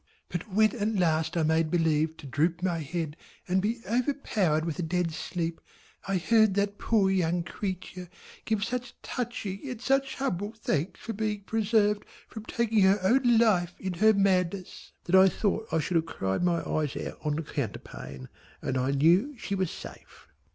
But when at last I made believe to droop my head and be overpowered with a dead sleep, I heard that poor young creature give such touching and such humble thanks for being preserved from taking her own life in her madness that I thought I should have cried my eyes out on the counterpane and I knew she was safe.